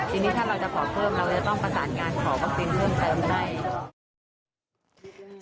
ทีนี้ถ้าเราจะขอเพิ่มเราจะต้องประสานงานขอวัคซีนเพิ่มเติมให้